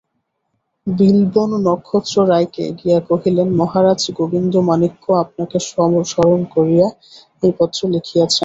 বিল্বন নক্ষত্ররায়কে গিয়া কহিলেন, মহারাজ গোবিন্দমাণিক্য আপনাকে সমরণ করিয়া এই পত্র লিখিয়াছেন।